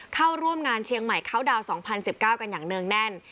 เข้าร่วมงานเชียงใหม่เข้าดาวน์๒๐๑๙กันอย่างเนื่องแน่น